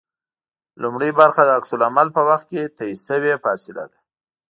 لومړۍ برخه د عکس العمل په وخت کې طی شوې فاصله ده